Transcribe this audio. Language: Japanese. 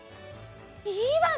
いいわね！